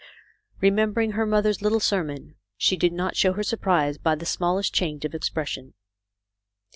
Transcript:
Remembering her mother's little sermon, she did not show her surprise by the small est change of expression.